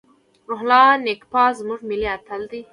روح الله نیکپا زموږ ملي اتل دی.